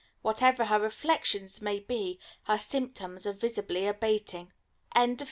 Whatever her reflections may be her symptoms are visibly abating. January 1st.